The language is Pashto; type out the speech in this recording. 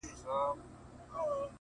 د کراري مو شېبې نه دي لیدلي،